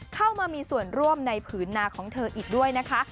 เข้ามามีส่วนร่วมในผืนนาของเธออีกด้วยนะคะ